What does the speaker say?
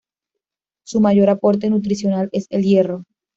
Su mayor aporte nutricional es el hierro.